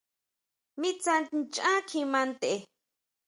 Mi tsá ʼnchan kjima ntʼe.